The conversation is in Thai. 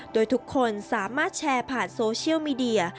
โดยทุกคนสามารถแชร์ผ่านโซเชียลมีเดีย